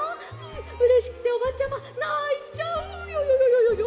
うれしくておばちゃまないちゃうヨヨヨヨヨ！」。